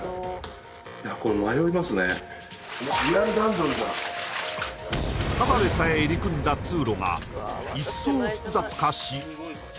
そのためただでさえ入り組んだ通路が一層複雑化し